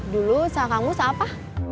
dulu usaha kamus apa